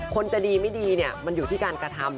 คนจะดีไม่ดีเนี่ยมันอยู่ที่การกระทำ